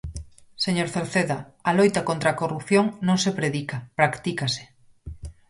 Señor Cerceda, a loita contra a corrupción non se predica, practícase.